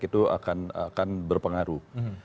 itu akan berpengaruh